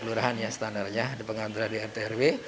kelurahan yang standarnya ada pengantar dari rt dan rw